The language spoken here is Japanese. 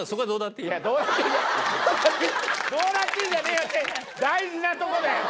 チェン大事なとこだよ！